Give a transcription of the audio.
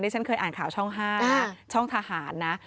ฉันเคยอ่านข่าวช่อง๕ช่องทหารนะ